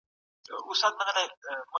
ژوند له ستونزو او نهیلیو ډک دی.